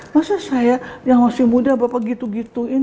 masa saya yang masih muda bapak gitu gituin